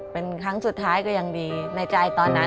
เป็นครั้งสุดท้ายก็ยังดีในใจตอนนั้น